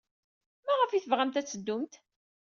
Maɣef ay tebɣamt ad teddumt?